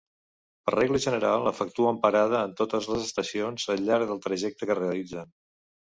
Per regla general efectuen parada en totes les estacions al llarg del trajecte que realitzen.